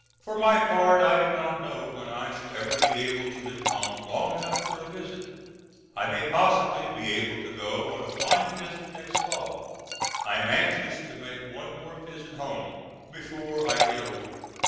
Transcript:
For my part I do not know when I shall ever be able to leave home long enough for a visit. I may possibly be able to go on a flying visit next fall. I am anxious to make one more visit home before I get old.